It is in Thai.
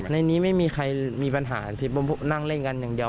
ในนี้ไม่มีใครมีปัญหาที่ผมนั่งเล่นกันอย่างเดียว